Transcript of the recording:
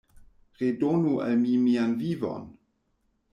Redonu al mi mian vivon!